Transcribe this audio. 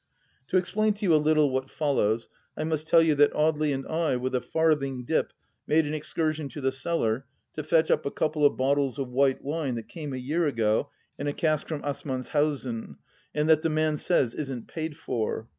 To explain to you a little what follows, I must tell you that Audely and I, with a farthing dip, made an excursion to the cellar, to fetch up a couple of bottles of white wme that came a year ago in a cask from Assmanshausen, and that the man says isn't paid for.